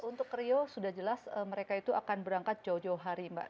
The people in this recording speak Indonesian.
untuk rio sudah jelas mereka itu akan berangkat jauh jauh hari mbak